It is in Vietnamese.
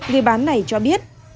người bán này cho biết